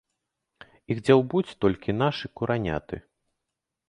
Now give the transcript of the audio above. Іх дзяўбуць толькі нашы кураняты.